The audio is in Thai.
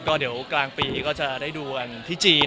ก็เดี๋ยวกลางปีก็จะได้ดูกันที่จีน